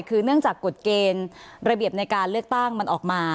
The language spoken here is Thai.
คือเนื่องจากกฎเกณฑ์ระเบียบในการเลือกตั้งมันออกมา